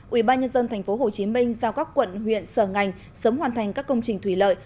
ubnd tp hcm giao các quận huyện sở ngành sớm hoàn thành các công trình thủy lợi